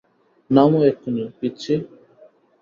নামো এক্ষুণি, পিচ্চি!